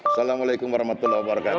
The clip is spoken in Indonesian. assalamualaikum warahmatullahi wabarakatuh